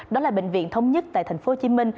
đó là bệnh viện thống nhất tại tp hcm